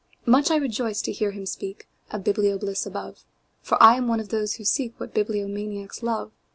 Much I rejoiced to hear him speakOf biblio bliss above, For I am one of those who seekWhat bibliomaniacs love.